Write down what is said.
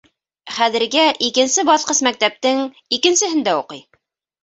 Хәҙергә икенсе баҫҡыс мәктәптең икенсеһендә уҡый.